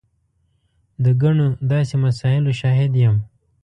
د ګڼو داسې مسایلو شاهد یم.